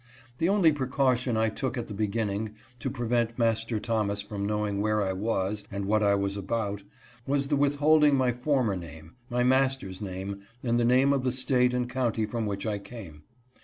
The only precaution I took at the beginning, to prevent Master Thomas from know ing where I was and what I was about, was the withhold ing my former name, my master's name, and the name of the State and county from which I came.